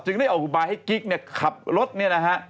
ได้ออกอุบายให้กิ๊กเนี่ยขับรถเนี่ยนะฮะ